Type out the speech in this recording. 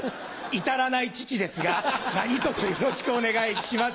至らない父ですが何卒よろしくお願いします。